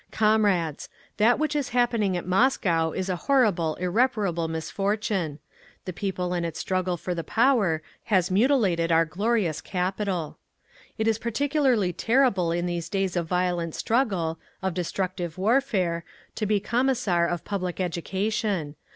"Comrades! That which is happening at Moscow is a horrible, irreparable misfortune…. The People in its struggle for the power has mutilated our glorious capital. "It is particularly terrible in these days of violent struggle, of destructive warfare, to be Commissar of Public Education.